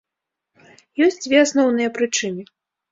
Ёсць дзве асноўныя прычыны.